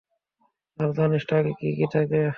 আর জানিস ট্রাকে কী কী থাকে?